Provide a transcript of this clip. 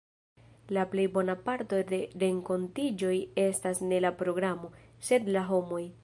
La plej bona parto de renkontiĝoj estas ne la programo, sed la homoj.